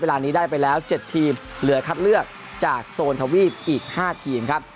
เวลานี้ได้ไปแล้ว๗ทีมเหลือคัดเลือกจากโซนทวีปอีก๕ทีมครับ